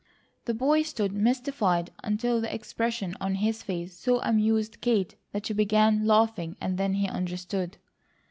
The boy stood mystified until the expression on his face so amused Kate that she began laughing, then he understood.